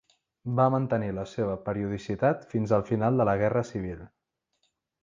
Va mantenir la seva periodicitat fins al final de la Guerra Civil.